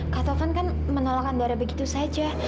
kak taufan kan menolak andara begitu saja